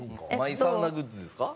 マイサウナグッズですか？